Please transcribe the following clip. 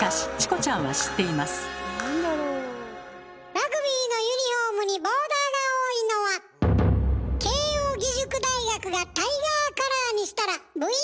ラグビーのユニフォームにボーダーが多いのは慶應義塾大学がタイガーカラーにしたら部員が増えたから。